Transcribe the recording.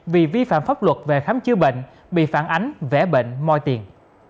vì vi phạm pháp luật về khám chữa bệnh bị phản ánh vẽ bệnh moi tiền